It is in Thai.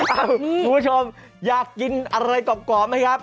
คุณผู้ชมอยากกินอะไรกรอบไหมครับ